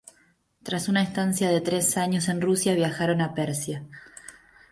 Tras una estancia de tres años en Rusia, viajaron a Persia.